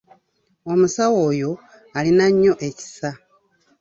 Omusawo oyo alina nnyo ekisa.